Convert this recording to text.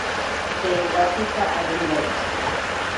Chay wasita arrinday.